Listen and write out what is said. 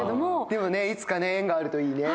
でもいつか縁があるといいね。